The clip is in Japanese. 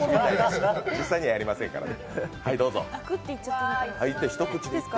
実際にはやりませんからね。